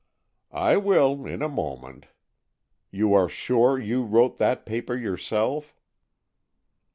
"I will, in a moment. You are sure you wrote that paper yourself?"